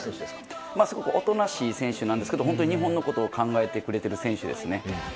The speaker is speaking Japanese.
大人しい選手なんですが日本のことを考えてくれている選手ですね。